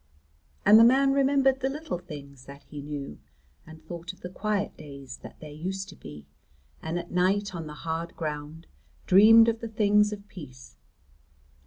And the man remembered the little things that he knew, and thought of the quiet days that there used to be, and at night on the hard ground dreamed of the things of peace.